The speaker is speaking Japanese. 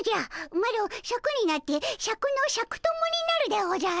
マロシャクになってシャクのシャク友になるでおじゃる。